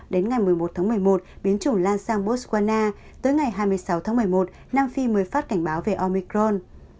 đến ngày một mươi một tháng một mươi một biến chủng lan sang botswana tới ngày hai mươi sáu tháng một mươi một nam phi mới phát cảnh báo về omicron